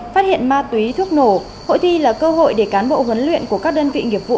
phát hiện ma túy thuốc nổ hội thi là cơ hội để cán bộ huấn luyện của các đơn vị nghiệp vụ